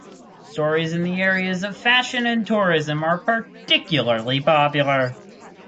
Stories in the areas of fashion and tourism are particularly popular.